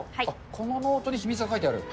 このノートに秘密が書いてある？